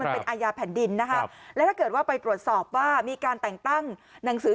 เป็นอาญาแผ่นดินอันนึกถึงรวดสอบว่ามีการแต่งตั้งหนังสือ